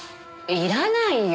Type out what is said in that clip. いらないよ。